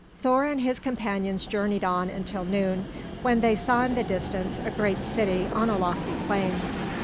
Thor and his companions journeyed on until noon, when they saw in the distance a great city, on a lofty plain.